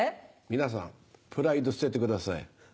皆さんプライド捨ててください。